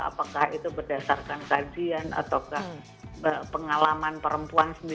apakah itu berdasarkan kajian atau pengalaman perempuan